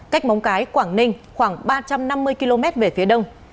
cách móng cái quảng ninh khoảng ba trăm năm mươi km về phía đông